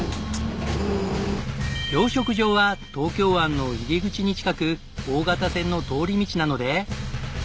養殖場は東京湾の入り口に近く大型船の通り道なので。